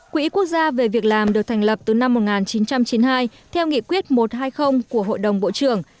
quỹ quốc gia về việc làm được thành lập từ năm một nghìn chín trăm chín mươi hai theo nghị quyết một trăm hai mươi của hội đồng bộ trưởng